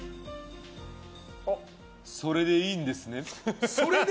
それでいいんですね？